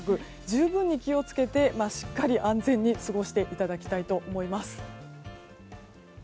十分に気を付けて、しっかり安全に過ごしていただきたいと思います。